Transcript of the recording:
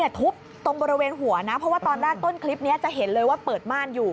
ทุบตรงบริเวณหัวนะเพราะว่าตอนแรกต้นคลิปนี้จะเห็นเลยว่าเปิดม่านอยู่